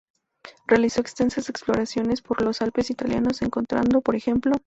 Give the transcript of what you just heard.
Realizó extensas exploraciones por los Alpes italianos, encontrando por ej.